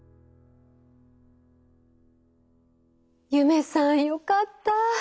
夢さんよかった！